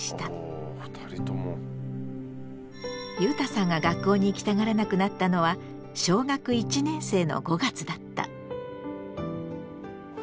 ゆうたさんが学校に行きたがらなくなったのは小学１年生の５月だった。